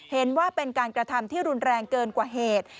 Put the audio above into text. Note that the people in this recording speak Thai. เห็นว่าเป็นการกระทำที่รุนแรงเกินกว่าเหตุ